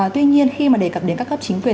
tuy nhiên khi mà đề cập đến các cấp chính quyền